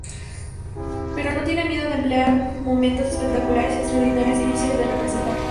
Pero no tiene miedo de emplear momentos espectaculares y extraordinarios, difíciles de representar.